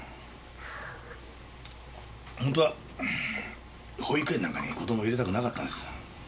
ホントは保育園なんかに子供入れたくなかったんです。